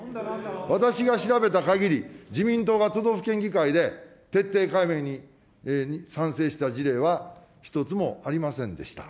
私が調べたかぎり、自民党が都道府県議会で徹底解明に賛成した事例は一つもありませんでした。